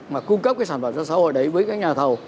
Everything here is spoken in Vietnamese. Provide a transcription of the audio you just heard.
mà cung cấp cái sản phẩm cho xã hội đấy với các nhà thầu